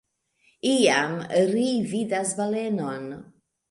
Iam, ri vidas balenon.